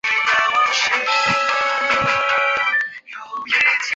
是寒士韩翃与李生之婢妾柳氏的故事。